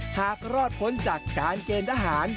หากรอดพ้นจากการเกณฑ์ทหาร